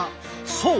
そう！